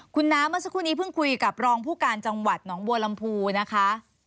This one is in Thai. คุณน้าเมื่อสักครู่นี้เพิ่งคุยกับรองผู้การจังหวัดหนองบัวลำพูนะคะ